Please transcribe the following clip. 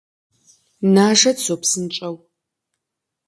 Нажэт, зо, псынщӏэу…